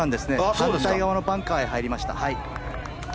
反対側のバンカーに入りました。